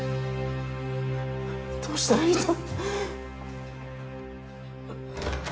どうしたらいいんだ？